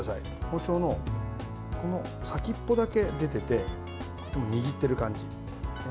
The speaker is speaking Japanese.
包丁の先っぽだけ出てて握ってる感じ。